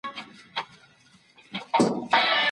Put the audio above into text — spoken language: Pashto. روسیه غواړي چي په سیمه کي نفوذ ولري.